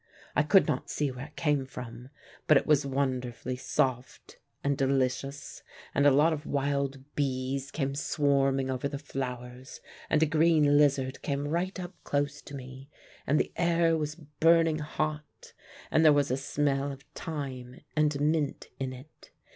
I could not see where it came from, but it was wonderfully soft and delicious, and a lot of wild bees came swarming over the flowers, and a green lizard came right up close to me, and the air was burning hot, and there was a smell of thyme and mint in it.